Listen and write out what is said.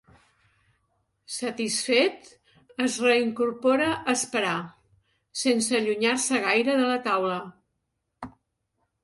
Satisfet, es reincorpora a esperar, sense allunyar-se gaire de la taula.